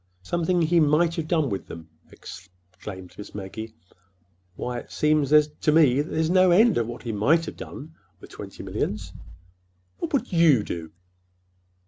"Something he might have done with them!" exclaimed Miss Maggie. "Why, it seems to me there's no end to what he might have done—with twenty millions." "What would you do?"